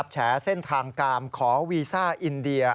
แฉเส้นทางกามขอวีซ่าอินเดีย